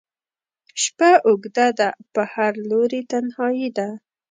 شپه اوږده ده په هر لوري تنهایي ده